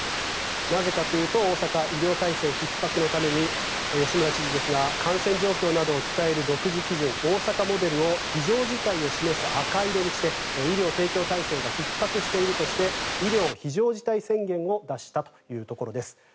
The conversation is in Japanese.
なぜかというと、大阪医療体制ひっ迫のために吉村知事ですが感染状況などを伝える独自基準大阪モデルを非常事態を示す赤色にして医療提供体制がひっ迫しているとして医療非常事態宣言を出したというところです。